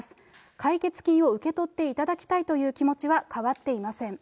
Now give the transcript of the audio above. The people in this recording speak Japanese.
解決金を受け取っていただきたいという気持ちは変わっていません。